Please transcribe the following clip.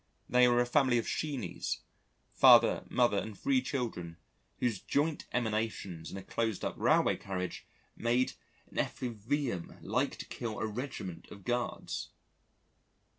They were a family of Sheenies, father, mother and three children, whose joint emanations in a closed up railway carriage made an effluvium like to kill a regiment of guards.